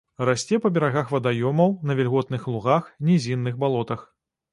Расце па берагах вадаёмаў, на вільготных лугах, нізінных балотах.